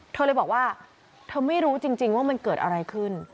เธอเลยบอกว่าเธอไม่รู้จริงว่ามันเกิดอะไรขึ้น